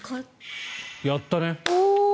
やったね！